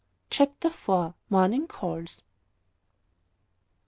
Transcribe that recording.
CHAPTER FOUR. MORNING CALLS.